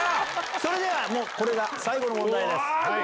それではもうこれが最後の問題です。